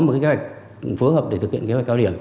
một kế hoạch phối hợp để thực hiện kế hoạch cao điểm